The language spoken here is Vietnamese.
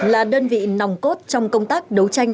là đơn vị nòng cốt trong công tác đấu tranh